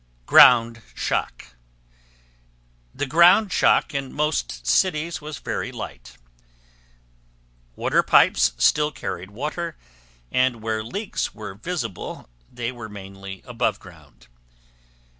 GROUND SHOCK The ground shock in most cities was very light. Water pipes still carried water and where leaks were visible they were mainly above ground.